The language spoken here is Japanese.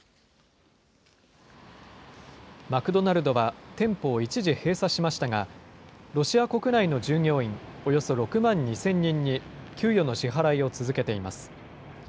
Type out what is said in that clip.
マクドナルドは店舗を一時閉鎖しましたが、ロシア国内の従業員、およそ６万２０００人に給与の支払いを続けています。